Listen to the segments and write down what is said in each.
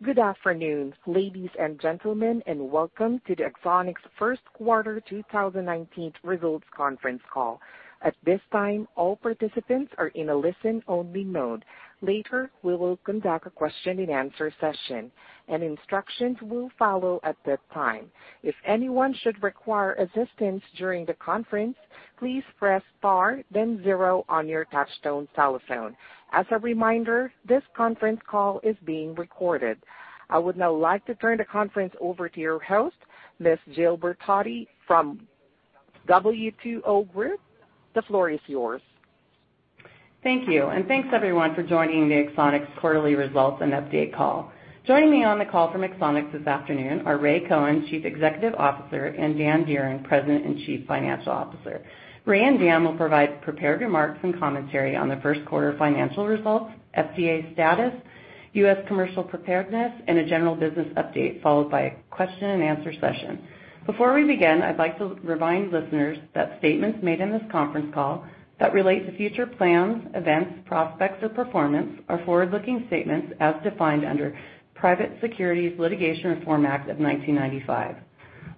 Good afternoon, ladies and gentlemen, and welcome to the Axonics first quarter 2019 results conference call. At this time, all participants are in a listen-only mode. Later, we will conduct a question and answer session, and instructions will follow at that time. If anyone should require assistance during the conference, please press star then zero on your touchtone telephone. As a reminder, this conference call is being recorded. I would now like to turn the conference over to your host, Miss Gilmartin Group from W2O Group. The floor is yours. Thank you, and thanks everyone for joining the Axonics quarterly results and update call. Joining me on the call from Axonics this afternoon are Ray Cohen, Chief Executive Officer, and Dan Dearen, President and Chief Financial Officer. Ray and Dan will provide prepared remarks and commentary on the first quarter financial results, FDA status, U.S. commercial preparedness, and a general business update, followed by a question and answer session. Before we begin, I'd like to remind listeners that statements made in this conference call that relate to future plans, events, prospects or performance are forward-looking statements as defined under Private Securities Litigation Reform Act of 1995.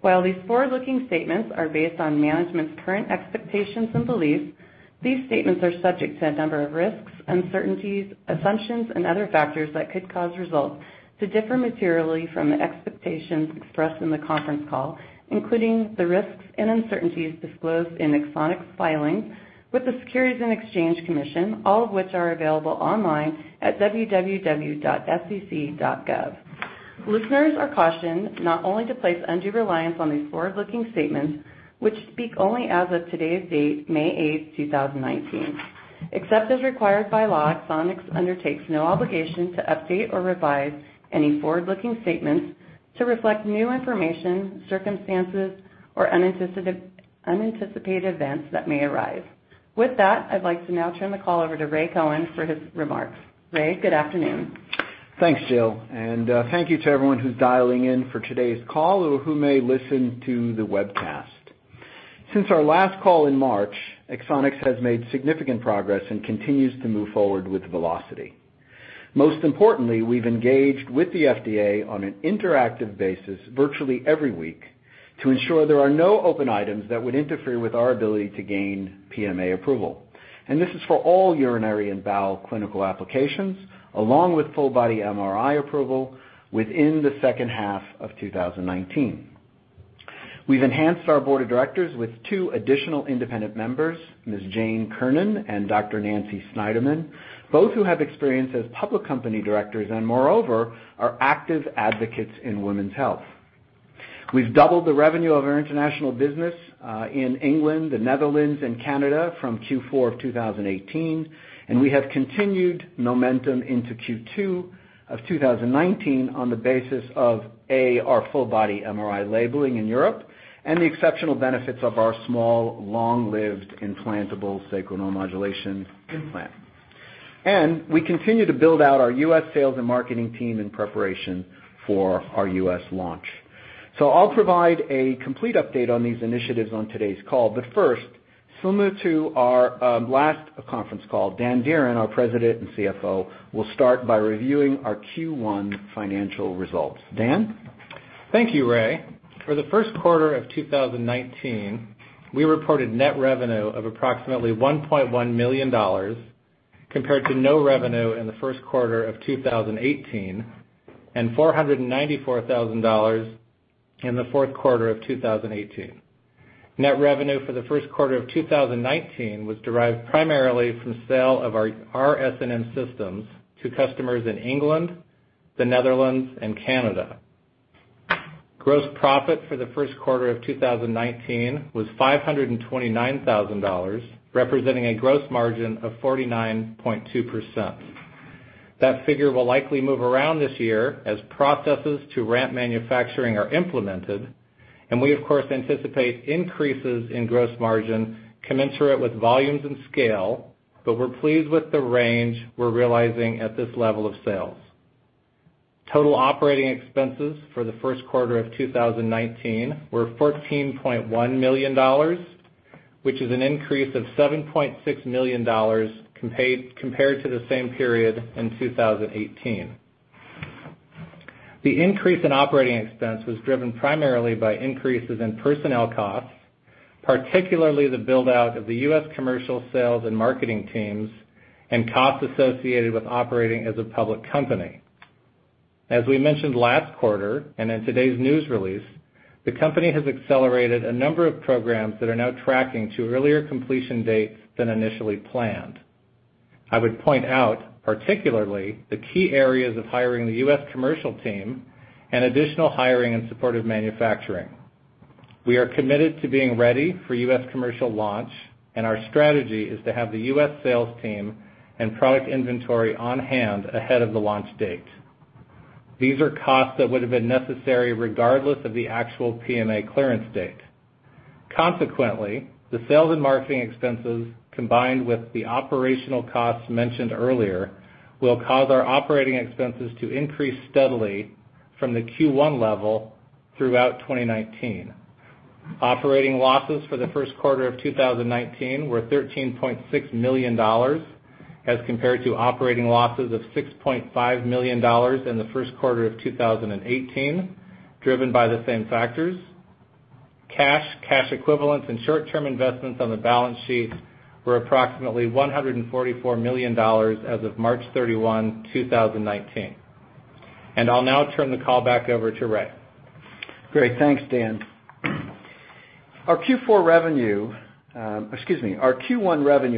While these forward-looking statements are based on management's current expectations and beliefs, these statements are subject to a number of risks, uncertainties, assumptions and other factors that could cause results to differ materially from the expectations expressed in the conference call, including the risks and uncertainties disclosed in Axonics' filing with the Securities and Exchange Commission, all of which are available online at www.sec.gov. Listeners are cautioned not only to place undue reliance on these forward-looking statements, which speak only as of today's date, May 8th, 2019. Except as required by law, Axonics undertakes no obligation to update or revise any forward-looking statements to reflect new information, circumstances, or unanticipated events that may arise. With that, I'd like to now turn the call over to Ray Cohen for his remarks. Ray, good afternoon. Thanks, Jill, and thank you to everyone who's dialing in for today's call or who may listen to the webcast. Since our last call in March, Axonics has made significant progress and continues to move forward with velocity. Most importantly, we've engaged with the FDA on an interactive basis virtually every week to ensure there are no open items that would interfere with our ability to gain PMA approval. This is for all urinary and bowel clinical applications, along with full body MRI approval within the second half of 2019. We've enhanced our board of directors with two additional independent members, Ms. Jane Hsiao and Dr. Nancy Snyderman, both who have experience as public company directors and moreover, are active advocates in women's health. We've doubled the revenue of our international business, in England, the Netherlands, and Canada from Q4 of 2018. We have continued momentum into Q2 of 2019 on the basis of, A, our full body MRI labeling in Europe, and the exceptional benefits of our small, long-lived, implantable sacral neuromodulation implant. We continue to build out our U.S. sales and marketing team in preparation for our U.S. launch. I'll provide a complete update on these initiatives on today's call. First, similar to our last conference call, Dan L. Dearen, our President and CFO, will start by reviewing our Q1 financial results. Dan? Thank you, Ray. For the first quarter of 2019, we reported net revenue of approximately $1.1 million, compared to no revenue in the first quarter of 2018, and $494,000 in the fourth quarter of 2018. Net revenue for the first quarter of 2019 was derived primarily from sale of our SNM systems to customers in England, the Netherlands, and Canada. Gross profit for the first quarter of 2019 was $529,000, representing a gross margin of 49.2%. That figure will likely move around this year as processes to ramp manufacturing are implemented, and we of course anticipate increases in gross margin commensurate with volumes and scale, but we're pleased with the range we're realizing at this level of sales. Total operating expenses for the first quarter of 2019 were $14.1 million, which is an increase of $7.6 million compared to the same period in 2018. The increase in operating expense was driven primarily by increases in personnel costs, particularly the build-out of the U.S. commercial sales and marketing teams and costs associated with operating as a public company. As we mentioned last quarter, and in today's news release, the company has accelerated a number of programs that are now tracking to earlier completion dates than initially planned. I would point out particularly the key areas of hiring the U.S. commercial team and additional hiring in support of manufacturing. We are committed to being ready for U.S. commercial launch, and our strategy is to have the U.S. sales team and product inventory on hand ahead of the launch date. These are costs that would have been necessary regardless of the actual PMA clearance date. Consequently, the sales and marketing expenses, combined with the operational costs mentioned earlier, will cause our operating expenses to increase steadily from the Q1 level throughout 2019. Operating losses for the first quarter of 2019 were $13.6 million, as compared to operating losses of $6.5 million in the first quarter of 2018, driven by the same factors. Cash, cash equivalents, and short-term investments on the balance sheet were approximately $144 million as of March 31, 2019. I'll now turn the call back over to Ray. Great. Thanks, Dan. Our Q1 revenue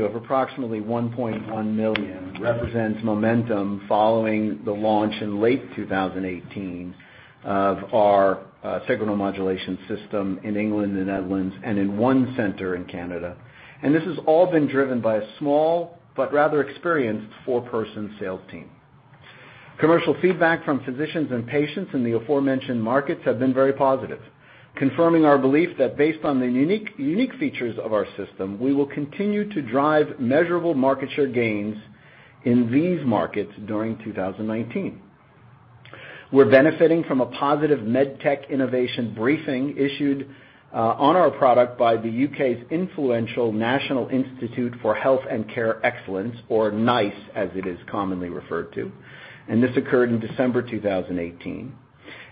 of approximately $1.1 million represents momentum following the launch in late 2018 of our sacral neuromodulation system in England and Netherlands and in one center in Canada. This has all been driven by a small but rather experienced four-person sales team. Commercial feedback from physicians and patients in the aforementioned markets have been very positive, confirming our belief that based on the unique features of our system, we will continue to drive measurable market share gains in these markets during 2019. We're benefiting from a positive Medtech innovation briefing issued on our product by the U.K.'s influential National Institute for Health and Care Excellence, or NICE, as it is commonly referred to, this occurred in December 2018.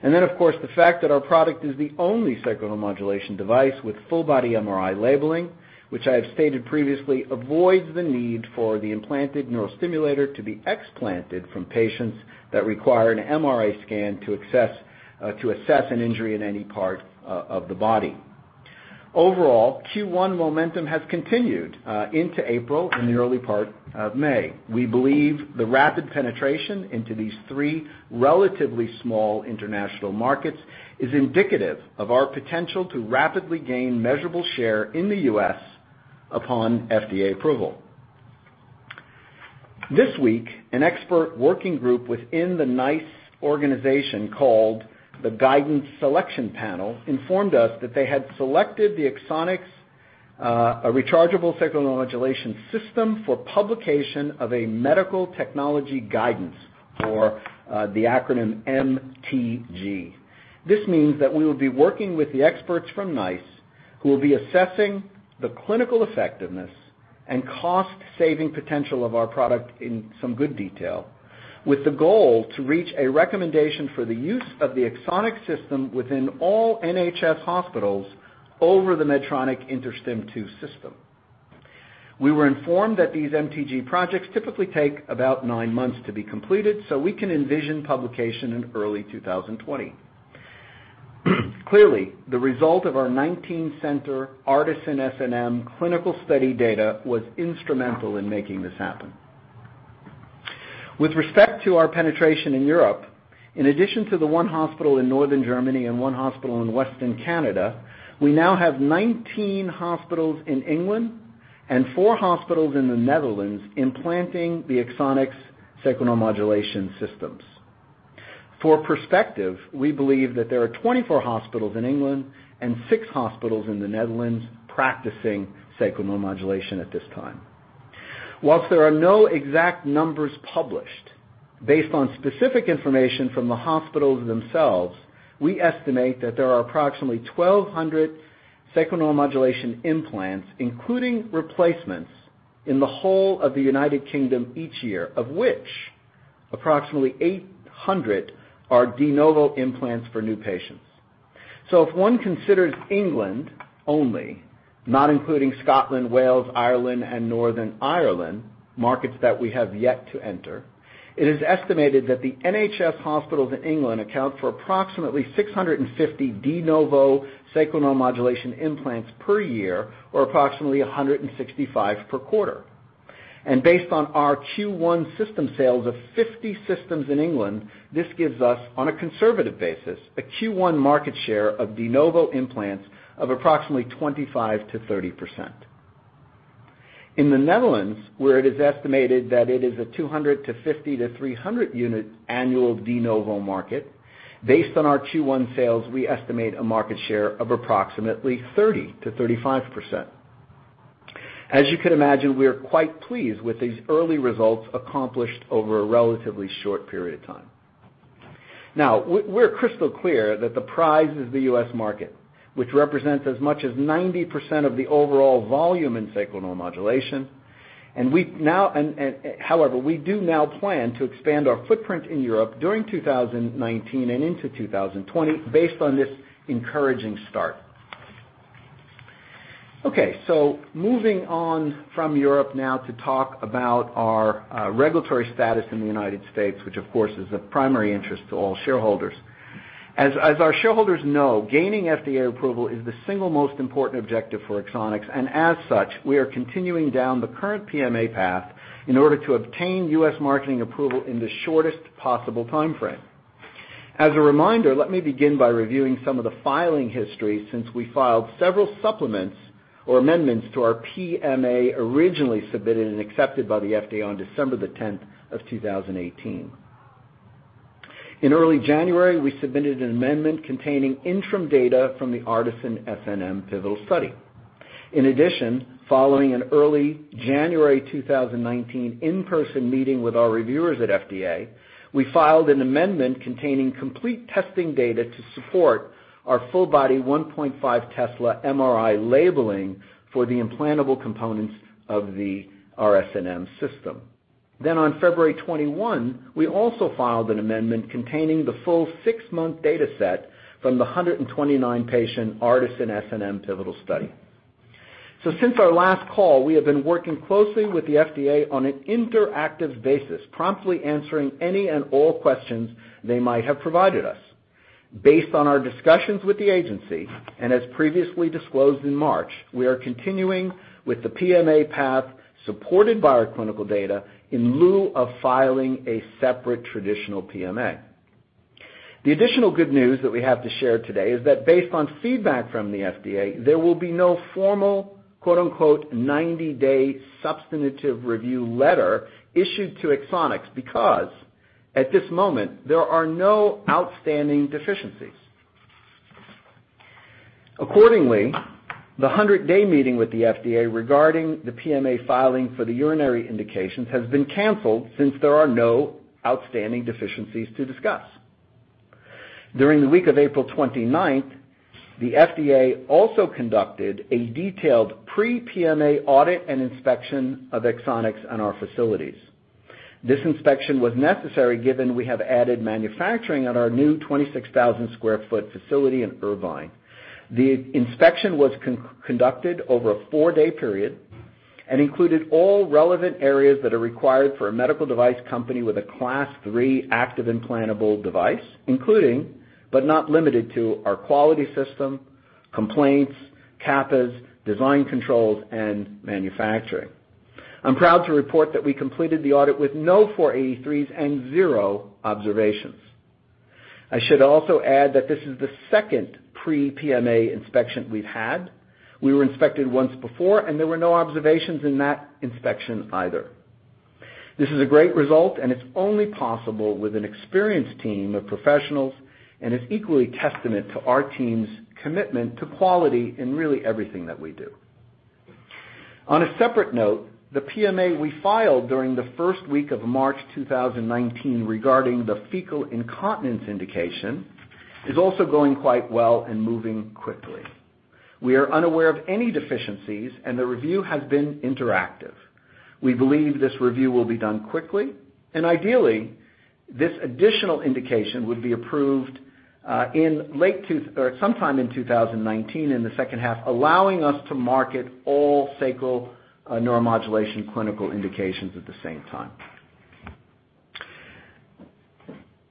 Of course, the fact that our product is the only sacral neuromodulation device with full body MRI labeling, which I have stated previously, avoids the need for the implanted neural stimulator to be explanted from patients that require an MRI scan to assess an injury in any part of the body. Overall, Q1 momentum has continued into April and the early part of May. We believe the rapid penetration into these three relatively small international markets is indicative of our potential to rapidly gain measurable share in the U.S. upon FDA approval. This week, an expert working group within the NICE organization, called the Guidance Selection Panel, informed us that they had selected the Axonics rechargeable sacral neuromodulation system for publication of a medical technology guidance, or the acronym MTG. This means that we will be working with the experts from NICE, who will be assessing the clinical effectiveness and cost-saving potential of our product in some good detail, with the goal to reach a recommendation for the use of the Axonics system within all NHS hospitals over the Medtronic InterStim II system. We were informed that these MTG projects typically take about nine months to be completed, so we can envision publication in early 2020. Clearly, the result of our 19-center ARTISAN-SNM clinical study data was instrumental in making this happen. With respect to our penetration in Europe, in addition to the one hospital in northern Germany and one hospital in western Canada, we now have 19 hospitals in England and four hospitals in the Netherlands implanting the Axonics sacral neuromodulation systems. For perspective, we believe that there are 24 hospitals in England and six hospitals in the Netherlands practicing sacral neuromodulation at this time. Whilst there are no exact numbers published, based on specific information from the hospitals themselves, we estimate that there are approximately 1,200 sacral neuromodulation implants, including replacements, in the whole of the United Kingdom each year, of which approximately 800 are de novo implants for new patients. If one considers England only, not including Scotland, Wales, Ireland, and Northern Ireland, markets that we have yet to enter, it is estimated that the NHS hospitals in England account for approximately 650 de novo sacral neuromodulation implants per year or approximately 165 per quarter. Based on our Q1 system sales of 50 systems in England, this gives us, on a conservative basis, a Q1 market share of de novo implants of approximately 25%-30%. In the Netherlands, where it is estimated that it is a 250-300 unit annual de novo market, based on our Q1 sales, we estimate a market share of approximately 30%-35%. As you can imagine, we are quite pleased with these early results accomplished over a relatively short period of time. We're crystal clear that the prize is the U.S. market, which represents as much as 90% of the overall volume in sacral neuromodulation. However, we do now plan to expand our footprint in Europe during 2019 and into 2020 based on this encouraging start. Moving on from Europe now to talk about our regulatory status in the U.S., which, of course, is of primary interest to all shareholders. As our shareholders know, gaining FDA approval is the single most important objective for Axonics. As such, we are continuing down the current PMA path in order to obtain U.S. marketing approval in the shortest possible timeframe. As a reminder, let me begin by reviewing some of the filing history since we filed several supplements or amendments to our PMA originally submitted and accepted by the FDA on December 10, 2018. In early January, we submitted an amendment containing interim data from the ARTISAN-SNM pivotal study. In addition, following an early January 2019 in-person meeting with our reviewers at FDA, we filed an amendment containing complete testing data to support our full body 1.5 Tesla MRI labeling for the implantable components of the r-SNM system. On February 21, we also filed an amendment containing the full six-month data set from the 129-patient ARTISAN-SNM pivotal study. Since our last call, we have been working closely with the FDA on an interactive basis, promptly answering any and all questions they might have provided us. Based on our discussions with the agency, and as previously disclosed in March, we are continuing with the PMA path supported by our clinical data in lieu of filing a separate traditional PMA. The additional good news that we have to share today is that based on feedback from the FDA, there will be no formal "90-day substantive review letter" issued to Axonics because, at this moment, there are no outstanding deficiencies. Accordingly, the 100-day meeting with the FDA regarding the PMA filing for the urinary indications has been canceled since there are no outstanding deficiencies to discuss. During the week of April 29, the FDA also conducted a detailed pre-PMA audit and inspection of Axonics and our facilities. This inspection was necessary given we have added manufacturing at our new 26,000 sq ft facility in Irvine. The inspection was conducted over a four-day period and included all relevant areas that are required for a medical device company with a Class III active implantable device, including but not limited to our quality system, complaints, CAPAs, design controls, and manufacturing. I'm proud to report that we completed the audit with no 483s and zero observations. I should also add that this is the second pre-PMA inspection we've had. We were inspected once before, and there were no observations in that inspection either. This is a great result, and it's only possible with an experienced team of professionals and is equally testament to our team's commitment to quality in really everything that we do. On a separate note, the PMA we filed during the first week of March 2019 regarding the fecal incontinence indication is also going quite well and moving quickly. We are unaware of any deficiencies, and the review has been interactive. We believe this review will be done quickly, and ideally, this additional indication would be approved sometime in 2019 in the second half, allowing us to market all sacral neuromodulation clinical indications at the same time.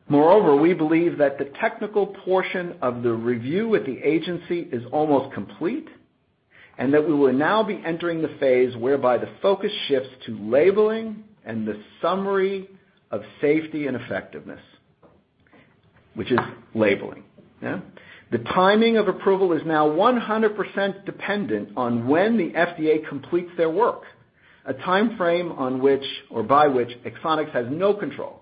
Moreover, we believe that the technical portion of the review with the agency is almost complete and that we will now be entering the phase whereby the focus shifts to labeling and the Summary of Safety and Effectiveness, which is labeling. The timing of approval is now 100% dependent on when the FDA completes their work, a time frame by which Axonics has no control.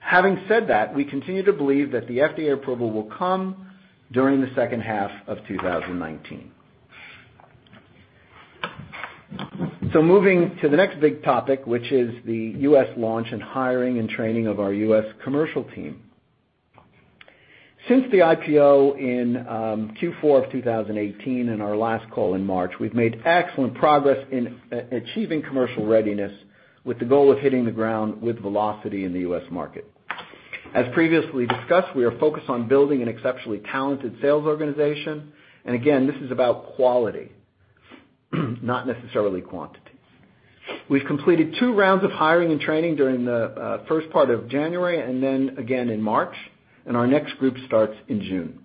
Having said that, we continue to believe that the FDA approval will come during the second half of 2019. Moving to the next big topic, which is the U.S. launch and hiring and training of our U.S. commercial team. Since the IPO in Q4 of 2018 and our last call in March, we've made excellent progress in achieving commercial readiness with the goal of hitting the ground with velocity in the U.S. market. As previously discussed, we are focused on building an exceptionally talented sales organization, and again, this is about quality, not necessarily quantity. We've completed two rounds of hiring and training during the first part of January and then again in March, and our next group starts in June.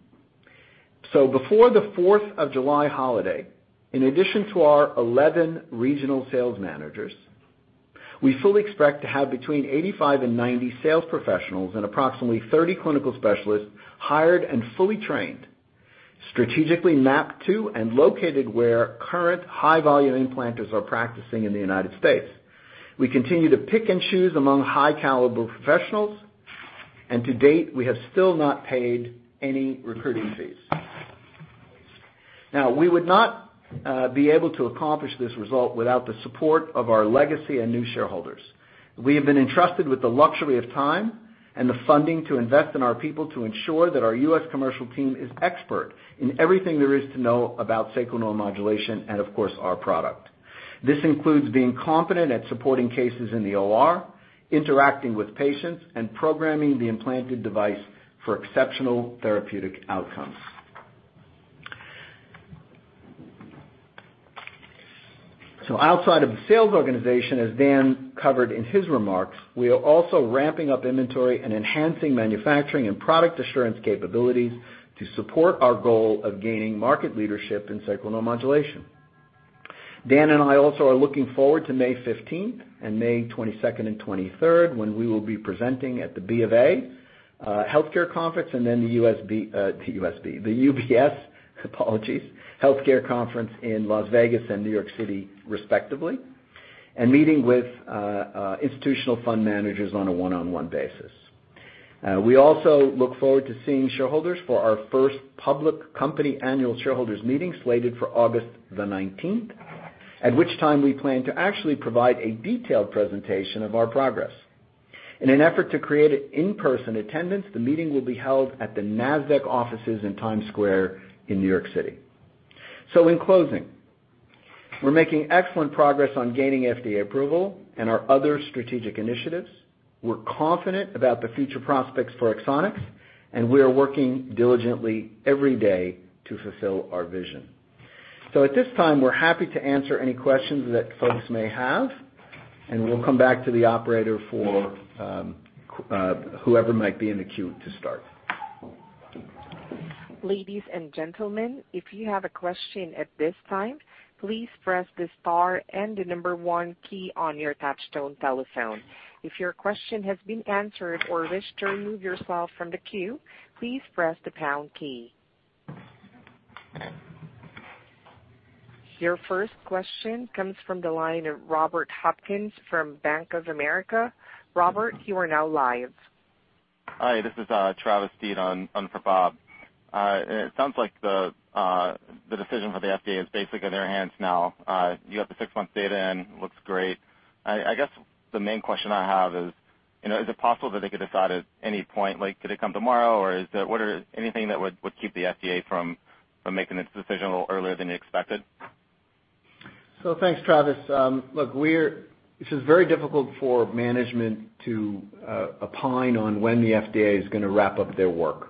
Before the Fourth of July holiday, in addition to our 11 regional sales managers, we fully expect to have between 85 and 90 sales professionals and approximately 30 clinical specialists hired and fully trained, strategically mapped to and located where current high-volume implanters are practicing in the United States. We continue to pick and choose among high-caliber professionals, and to date, we have still not paid any recruiting fees. Now, we would not be able to accomplish this result without the support of our legacy and new shareholders. We have been entrusted with the luxury of time and the funding to invest in our people to ensure that our U.S. commercial team is expert in everything there is to know about sacral neuromodulation and of course, our product. This includes being competent at supporting cases in the OR, interacting with patients, and programming the implanted device for exceptional therapeutic outcomes. Outside of the sales organization, as Dan covered in his remarks, we are also ramping up inventory and enhancing manufacturing and product assurance capabilities to support our goal of gaining market leadership in sacral neuromodulation. Dan and I also are looking forward to May 15th and May 22nd and 23rd, when we will be presenting at the B of A healthcare conference and then the UBS, apologies, healthcare conference in Las Vegas and New York City, respectively, and meeting with institutional fund managers on a one-on-one basis. We also look forward to seeing shareholders for our first public company annual shareholders meeting slated for August the 19th, at which time we plan to actually provide a detailed presentation of our progress. In an effort to create an in-person attendance, the meeting will be held at the Nasdaq offices in Times Square in New York City. In closing, we're making excellent progress on gaining FDA approval and our other strategic initiatives. We're confident about the future prospects for Axonics, and we are working diligently every day to fulfill our vision. At this time, we're happy to answer any questions that folks may have, and we'll come back to the operator for whoever might be in the queue to start. Ladies and gentlemen, if you have a question at this time, please press the star and the number one key on your touchtone telephone. If your question has been answered or wish to remove yourself from the queue, please press the pound key. Your first question comes from the line of Robert Hopkins from Bank of America. Robert, you are now live. Hi, this is Travis Steed on for Bob. It sounds like the decision for the FDA is basically in their hands now. You got the six-month data in, looks great. I guess the main question I have is it possible that they could decide at any point, could it come tomorrow? Is there anything that would keep the FDA from making its decision a little earlier than you expected? Thanks, Travis. Look, this is very difficult for management to opine on when the FDA is going to wrap up their work.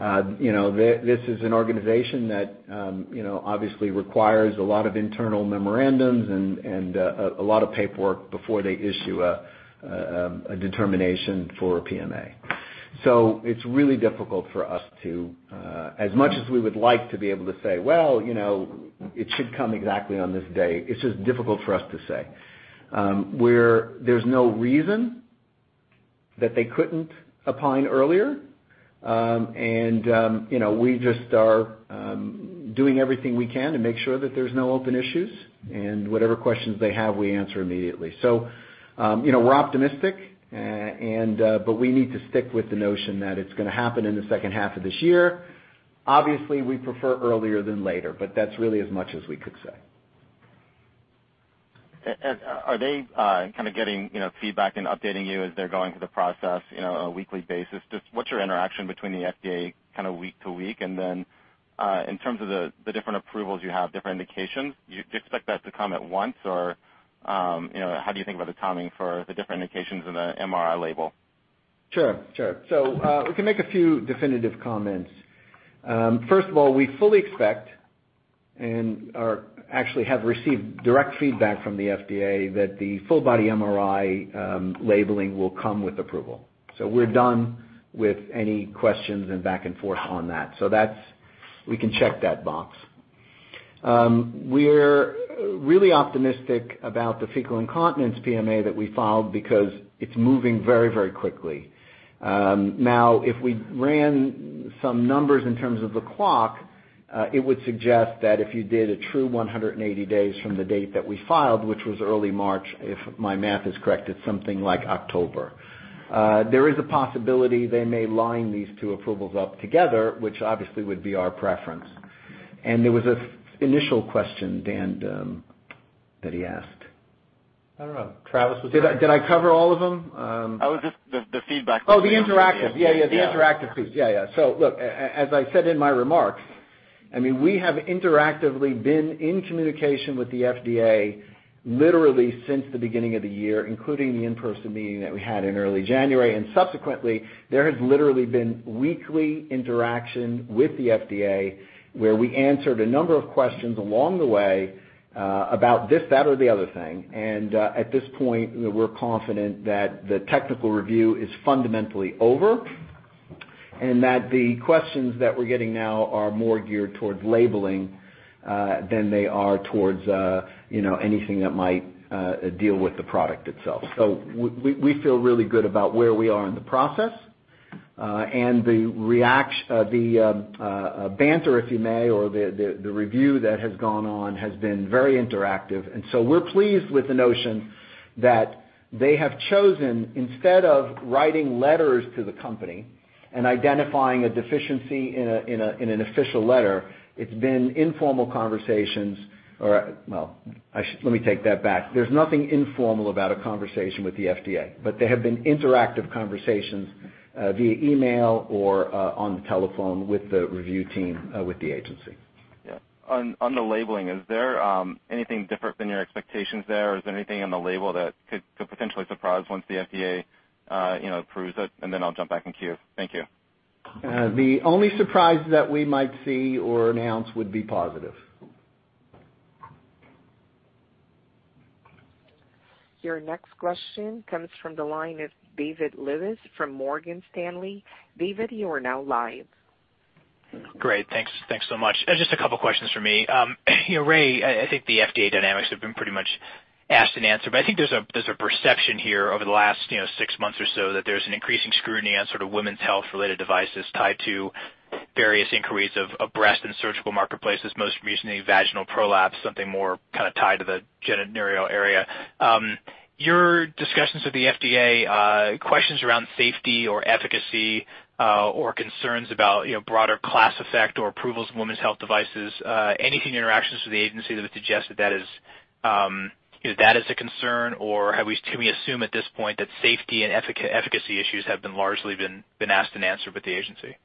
This is an organization that obviously requires a lot of internal memorandums and a lot of paperwork before they issue a determination for a PMA. It's really difficult for us to, as much as we would like to be able to say, "Well, it should come exactly on this day," it's just difficult for us to say. There's no reason that they couldn't opine earlier. We just are doing everything we can to make sure that there's no open issues and whatever questions they have, we answer immediately. We're optimistic, but we need to stick with the notion that it's going to happen in the second half of this year. Obviously, we'd prefer earlier than later, but that's really as much as we could say. Are they kind of getting feedback and updating you as they're going through the process on a weekly basis? Just what's your interaction between the FDA kind of week to week? In terms of the different approvals, you have different indications. Do you expect that to come at once? How do you think about the timing for the different indications in the MRI label? Sure. We can make a few definitive comments. First of all, we fully expect and actually have received direct feedback from the FDA that the full body MRI labeling will come with approval. We're done with any questions and back and forth on that. We can check that box. We're really optimistic about the fecal incontinence PMA that we filed because it's moving very, very quickly. Now, if we ran some numbers in terms of the clock, it would suggest that if you did a true 180 days from the date that we filed, which was early March, if my math is correct, it's something like October. There is a possibility they may line these two approvals up together, which obviously would be our preference. There was an initial question, Dan, that he asked. I don't know. Travis was. Did I cover all of them? The feedback. The interactive. The interactive piece. Look, as I said in my remarks, we have interactively been in communication with the FDA literally since the beginning of the year, including the in-person meeting that we had in early January. Subsequently, there has literally been weekly interaction with the FDA where we answered a number of questions along the way about this, that, or the other thing. At this point, we're confident that the technical review is fundamentally over and that the questions that we're getting now are more geared towards labeling than they are towards anything that might deal with the product itself. We feel really good about where we are in the process. The banter, if you may, or the review that has gone on has been very interactive. We're pleased with the notion that they have chosen, instead of writing letters to the company and identifying a deficiency in an official letter, it's been informal conversations. Well, let me take that back. There's nothing informal about a conversation with the FDA, they have been interactive conversations via email or on the telephone with the review team with the agency. Yeah. On the labeling, is there anything different than your expectations there? Is there anything on the label that could potentially surprise once the FDA approves it? Then I'll jump back in queue. Thank you. The only surprise that we might see or announce would be positive. Your next question comes from the line of David Lewis from Morgan Stanley. David, you are now live. Great. Thanks so much. Just a couple questions for me. Ray, I think the FDA dynamics have been pretty much asked and answered, I think there's a perception here over the last six months or so that there's an increasing scrutiny on sort of women's health-related devices tied to various inquiries of breast and surgical marketplaces, most recently vaginal prolapse, something more kind of tied to the genitourinary area. Your discussions with the FDA, questions around safety or efficacy, or concerns about broader class effect or approvals of women's health devices, anything in your interactions with the agency that would suggest that is a concern, or can we assume at this point that safety and efficacy issues have been largely been asked and answered with the agency?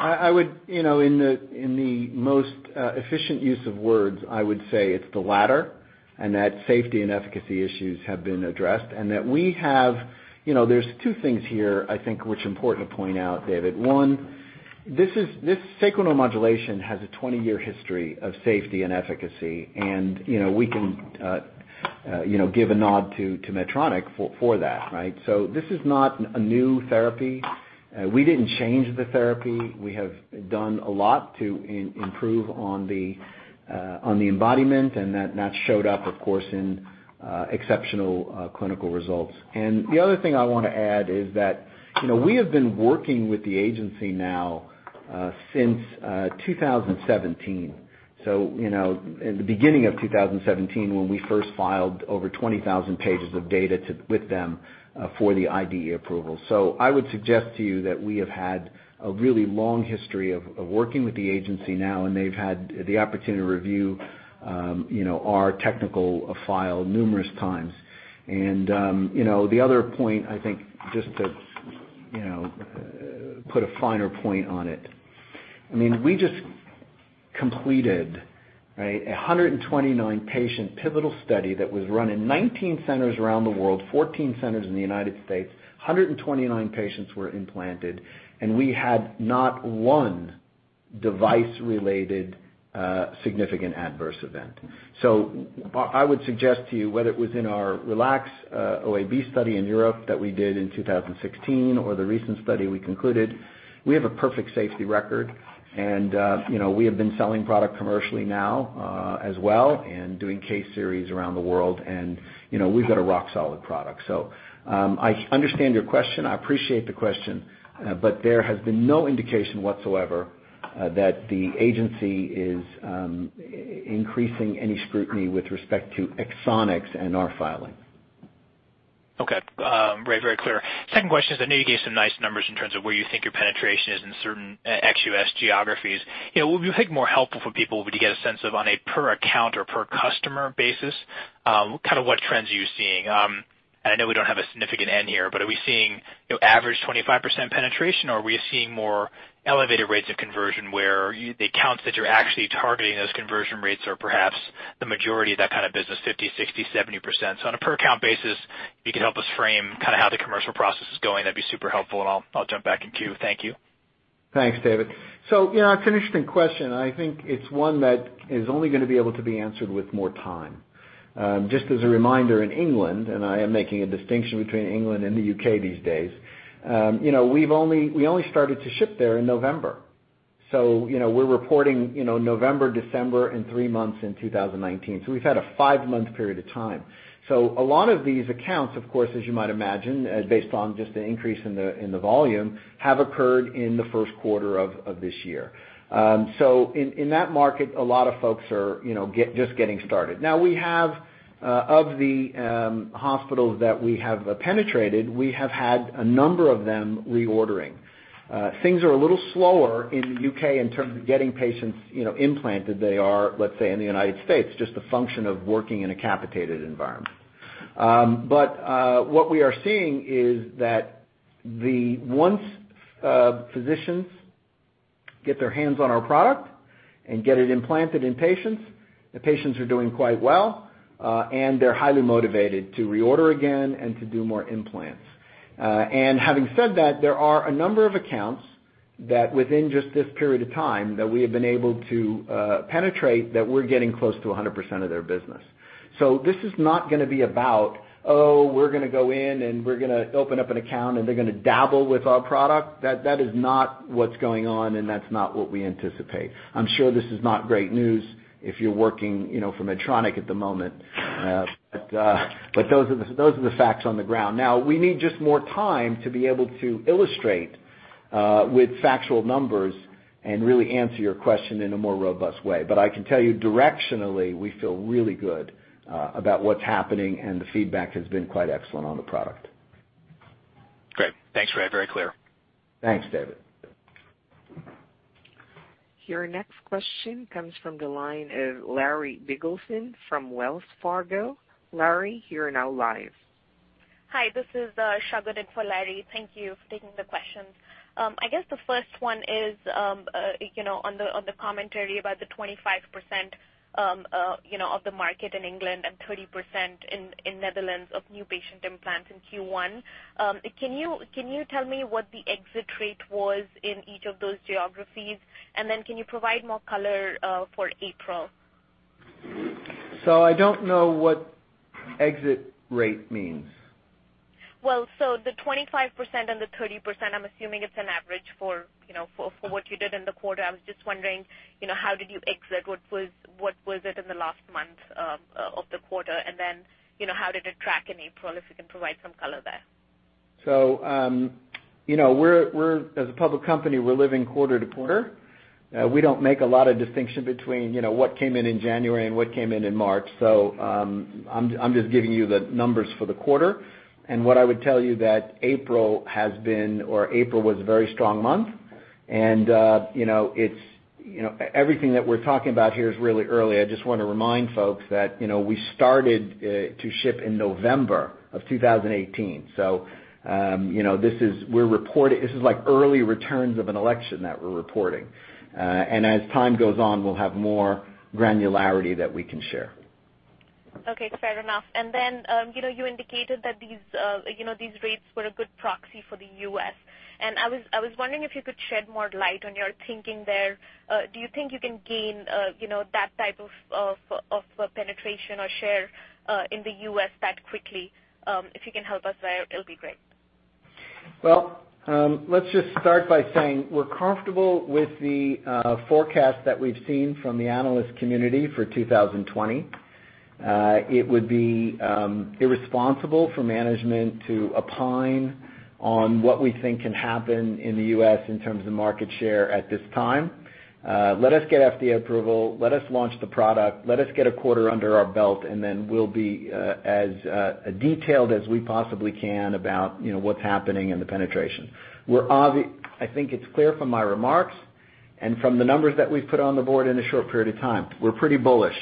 In the most efficient use of words, I would say it's the latter, and that safety and efficacy issues have been addressed. There's two things here I think which are important to point out, David. One, this sacral neuromodulation has a 20-year history of safety and efficacy, and we can give a nod to Medtronic for that, right? This is not a new therapy. We didn't change the therapy. We have done a lot to improve on the embodiment, and that showed up, of course, in exceptional clinical results. The other thing I want to add is that we have been working with the agency now since 2017. In the beginning of 2017, when we first filed over 20,000 pages of data with them for the IDE approval. I would suggest to you that we have had a really long history of working with the agency now, and they've had the opportunity to review our technical file numerous times. The other point, I think, just to put a finer point on it, we just completed a 129-patient pivotal study that was run in 19 centers around the world, 14 centers in the U.S. 129 patients were implanted, and we had not one device-related significant adverse event. I would suggest to you, whether it was in our RELAX-OAB study in Europe that we did in 2016 or the recent study we concluded, we have a perfect safety record. We have been selling product commercially now as well, and doing case series around the world, and we've got a rock solid product. I understand your question. I appreciate the question. There has been no indication whatsoever that the agency is increasing any scrutiny with respect to Axonics and our filing. Okay. Very clear. Second question is, I know you gave some nice numbers in terms of where you think your penetration is in certain ex-U.S. geographies. Would you think more helpful for people would be to get a sense of on a per account or per customer basis what trends are you seeing? I know we don't have a significant end here, but are we seeing average 25% penetration, or are we seeing more elevated rates of conversion where the accounts that you're actually targeting those conversion rates are perhaps the majority of that kind of business, 50%, 60%, 70%? On a per account basis, if you could help us frame how the commercial process is going, that'd be super helpful, and I'll jump back in queue. Thank you. Thanks, David. It's an interesting question, I think it's one that is only going to be able to be answered with more time. Just as a reminder, in England, I am making a distinction between England and the U.K. these days, we only started to ship there in November. We're reporting November, December, and three months in 2019. We've had a five-month period of time. A lot of these accounts, of course, as you might imagine, based on just the increase in the volume, have occurred in the first quarter of this year. In that market, a lot of folks are just getting started. Now we have of the hospitals that we have penetrated, we have had a number of them reordering. Things are a little slower in the U.K. in terms of getting patients implanted they are, let's say, in the U.S., just a function of working in a capitated environment. What we are seeing is that once physicians get their hands on our product and get it implanted in patients, the patients are doing quite well, and they're highly motivated to reorder again and to do more implants. Having said that, there are a number of accounts that within just this period of time that we have been able to penetrate that we're getting close to 100% of their business. This is not going to be about, oh, we're going to go in and we're going to open up an account, and they're going to dabble with our product. That is not what's going on, and that's not what we anticipate. I'm sure this is not great news if you're working for Medtronic at the moment. Those are the facts on the ground. Now, we need just more time to be able to illustrate with factual numbers and really answer your question in a more robust way. I can tell you directionally, we feel really good about what's happening, and the feedback has been quite excellent on the product. Great. Thanks, Ray. Very clear. Thanks, David. Your next question comes from the line of Larry Biegelsen from Wells Fargo. Larry, you are now live. Hi, this is Shaguna for Larry. Thank you for taking the questions. I guess the first one is on the commentary about the 25% of the market in England and 30% in Netherlands of new patient implants in Q1. Can you tell me what the exit rate was in each of those geographies, and then can you provide more color for April? I don't know what exit rate means. I'm assuming it's an average for what you did in the quarter. I was just wondering how did you exit? What was it in the last month of the quarter? How did it track in April, if you can provide some color there? As a public company, we're living quarter to quarter. We don't make a lot of distinction between what came in in January and what came in in March. I'm just giving you the numbers for the quarter. What I would tell you that April was a very strong month, and everything that we're talking about here is really early. I just want to remind folks that we started to ship in November of 2018. This is like early returns of an election that we're reporting. As time goes on, we'll have more granularity that we can share. Okay. Fair enough. You indicated that these rates were a good proxy for the U.S., and I was wondering if you could shed more light on your thinking there. Do you think you can gain that type of penetration or share in the U.S. that quickly? If you can help us there, it'll be great. Let's just start by saying we're comfortable with the forecast that we've seen from the analyst community for 2020. It would be irresponsible for management to opine on what we think can happen in the U.S. in terms of market share at this time. Let us get FDA approval. Let us launch the product. Let us get a quarter under our belt, we'll be as detailed as we possibly can about what's happening in the penetration. I think it's clear from my remarks and from the numbers that we've put on the board in a short period of time, we're pretty bullish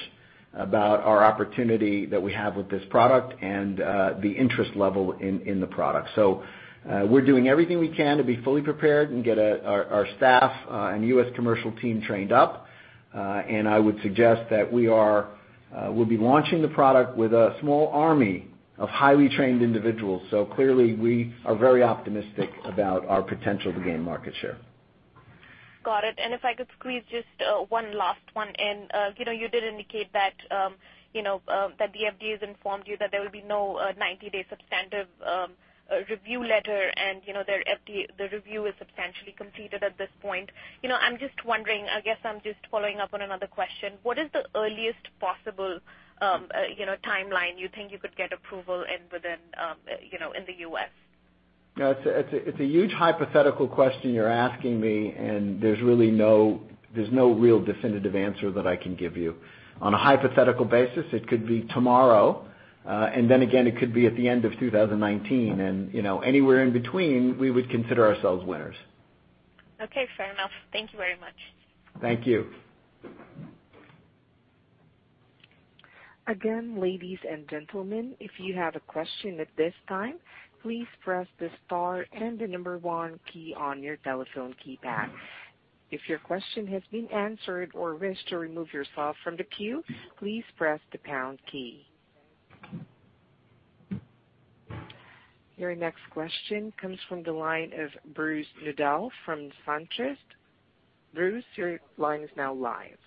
about our opportunity that we have with this product and the interest level in the product. We're doing everything we can to be fully prepared and get our staff and U.S. commercial team trained up. I would suggest that we'll be launching the product with a small army of highly trained individuals. Clearly, we are very optimistic about our potential to gain market share. Got it. If I could squeeze just one last one in. You did indicate that the FDA has informed you that there will be no 90-day substantive review letter and their review is substantially completed at this point. I'm just wondering, I guess I'm just following up on another question. What is the earliest possible timeline you think you could get approval in the U.S.? It's a huge hypothetical question you're asking me, there's no real definitive answer that I can give you. On a hypothetical basis, it could be tomorrow. Then again, it could be at the end of 2019 and anywhere in between, we would consider ourselves winners. Okay, fair enough. Thank you very much. Thank you. Again, ladies and gentlemen, if you have a question at this time, please press the star and the number 1 key on your telephone keypad. If your question has been answered or wish to remove yourself from the queue, please press the pound key. Your next question comes from the line of Bruce Nudell from SunTrust. Bruce, your line is now live.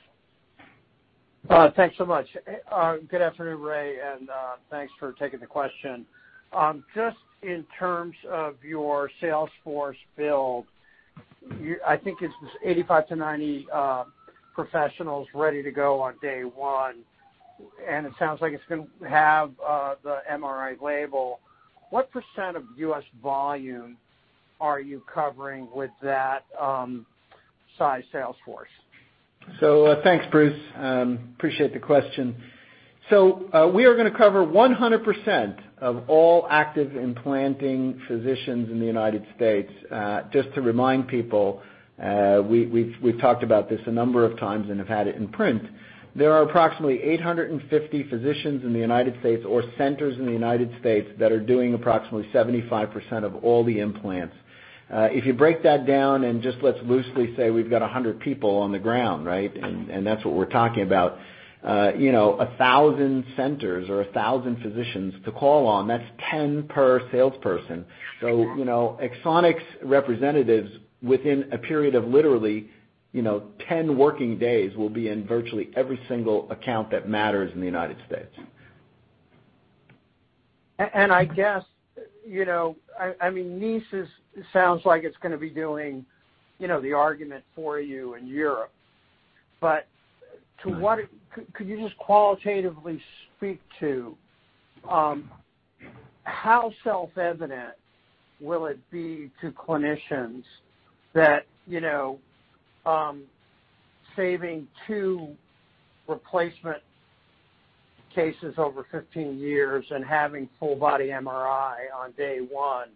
Thanks so much. Good afternoon, Ray, and thanks for taking the question. Just in terms of your sales force build, I think it's this 85 to 90 professionals ready to go on day 1, and it sounds like it's going to have the MRI label. What % of U.S. volume are you covering with that size sales force? Thanks, Bruce. Appreciate the question. We are going to cover 100% of all active implanting physicians in the U.S. Just to remind people, we've talked about this a number of times and have had it in print. There are approximately 850 physicians in the U.S., or centers in the U.S. that are doing approximately 75% of all the implants. If you break that down and just let's loosely say we've got 100 people on the ground, right? That's what we're talking about. 1,000 centers or 1,000 physicians to call on, that's 10 per salesperson. Axonics representatives within a period of literally 10 working days will be in virtually every single account that matters in the U.S. I guess, NICE sounds like it's going to be doing the argument for you in Europe. Could you just qualitatively speak to how self-evident will it be to clinicians that saving two replacement cases over 15 years and having full body MRI on day one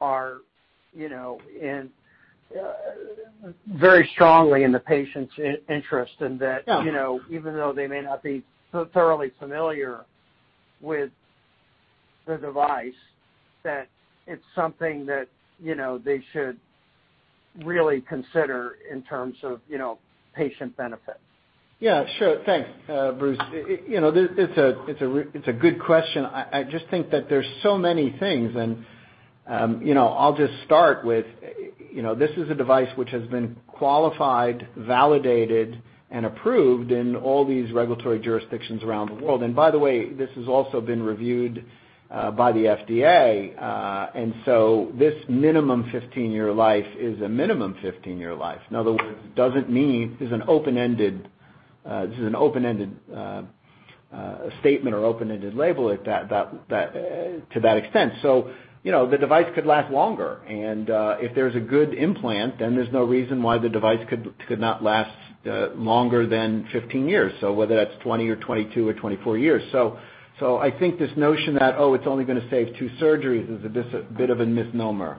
are very strongly in the patient's interest, and that even though they may not be thoroughly familiar with the device, that it's something that they should really consider in terms of patient benefit? Yeah, sure. Thanks, Bruce. It's a good question. I just think that there's so many things, I'll just start with this is a device which has been qualified, validated, and approved in all these regulatory jurisdictions around the world. By the way, this has also been reviewed by the FDA. This minimum 15-year life is a minimum 15-year life. In other words, this is an open-ended statement or open-ended label to that extent. The device could last longer, and if there's a good implant, there's no reason why the device could not last longer than 15 years. Whether that's 20 or 22 or 24 years. I think this notion that, oh, it's only going to save two surgeries is a bit of a misnomer.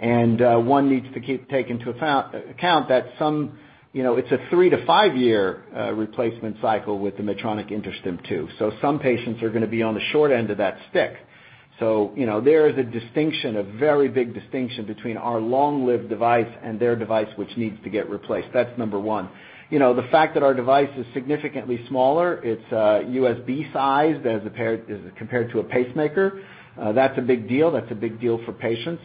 One needs to take into account that it's a 3-to-5-year replacement cycle with the Medtronic InterStim II. Some patients are going to be on the short end of that stick. There is a distinction, a very big distinction between our long-lived device and their device, which needs to get replaced. That's number 1. The fact that our device is significantly smaller, it's a USB size compared to a pacemaker. That's a big deal. That's a big deal for patients.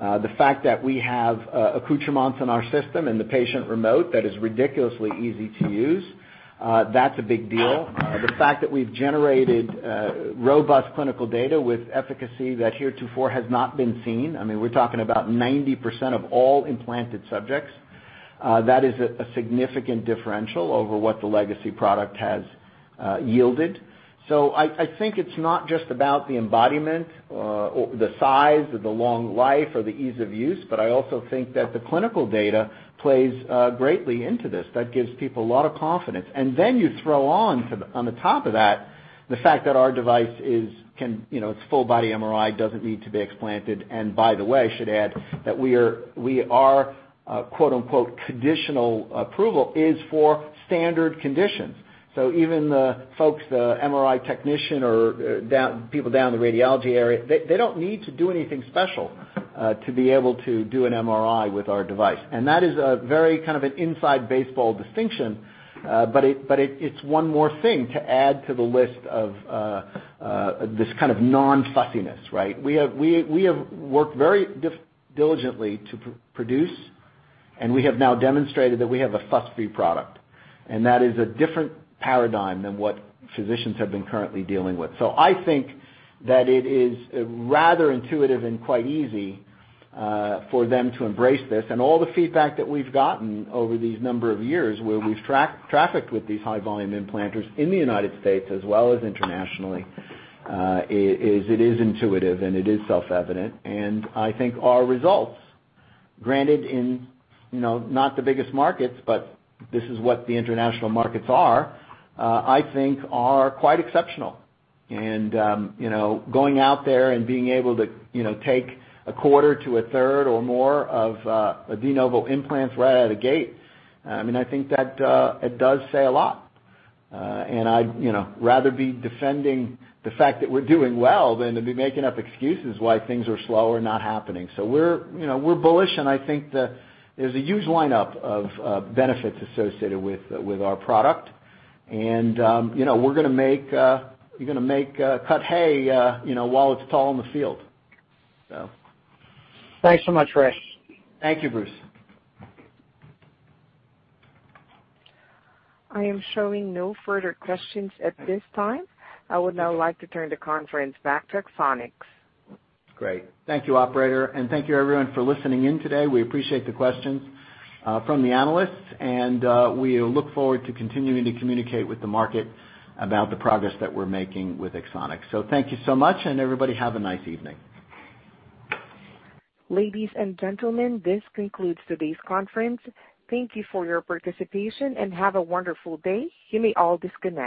The fact that we have accoutrements in our system and the patient remote that is ridiculously easy to use, that's a big deal. The fact that we've generated robust clinical data with efficacy that heretofore has not been seen. I mean, we're talking about 90% of all implanted subjects. That is a significant differential over what the legacy product has yielded. I think it's not just about the embodiment or the size or the long life or the ease of use, I also think that the clinical data plays greatly into this. That gives people a lot of confidence. Then you throw on the top of that, the fact that our device, it's full body MRI, doesn't need to be explanted. By the way, I should add that we are quote unquote, "Traditional approval is for standard conditions." Even the folks, the MRI technician, or people down in the radiology area, they don't need to do anything special to be able to do an MRI with our device. That is a very kind of an inside baseball distinction. It's one more thing to add to the list of this kind of non-fussiness, right? We have worked very diligently to produce, we have now demonstrated that we have a fuss-free product, that is a different paradigm than what physicians have been currently dealing with. I think that it is rather intuitive and quite easy for them to embrace this. All the feedback that we've gotten over these number of years where we've trafficked with these high volume implanters in the U.S. as well as internationally, is it is intuitive and it is self-evident. I think our results, granted in not the biggest markets, but this is what the international markets are, I think are quite exceptional. Going out there and being able to take a quarter to a third or more of de novo implants right out of gate, I think that it does say a lot. I'd rather be defending the fact that we're doing well than to be making up excuses why things are slow or not happening. We're bullish, I think there's a huge lineup of benefits associated with our product. We're going to make cut hay while it's tall in the field. Thanks so much, Ray. Thank you, Bruce. I am showing no further questions at this time. I would now like to turn the conference back to Axonics. Great. Thank you, operator. Thank you everyone for listening in today. We appreciate the questions from the analysts. We look forward to continuing to communicate with the market about the progress that we're making with Axonics. Thank you so much, and everybody have a nice evening. Ladies and gentlemen, this concludes today's conference. Thank you for your participation and have a wonderful day. You may all disconnect.